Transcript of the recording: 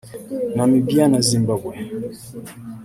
Namibia na Zimbabwe